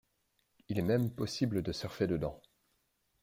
Il est même possible de surfer dedans.